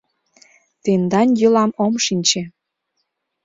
Тендан йӱлам ом шинче.